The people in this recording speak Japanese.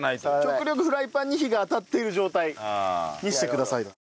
極力フライパンに火が当たっている状態にしてください。